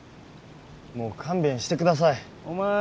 もう勘弁してください。